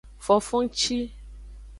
Fofongci.